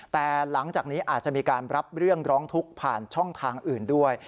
แต่หลังจากนี้อาจจะมีการรับเรื่องร้องทุกข์ผ่านช่องทางอื่นด้วย